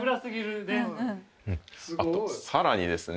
あとさらにですね